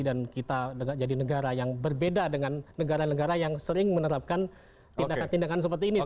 dan kita jadi negara yang berbeda dengan negara negara yang sering menerapkan tindakan tindakan seperti ini